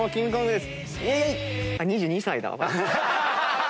２２歳だ。